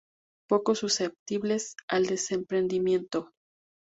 Poco susceptibles al desprendimiento.